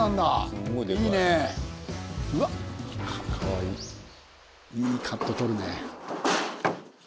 いいカット撮るね。